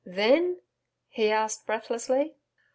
then?' he asked breathlessly.